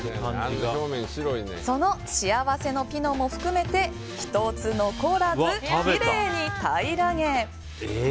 その幸せのピノも含めて１つ残らず、きれいに平らげ。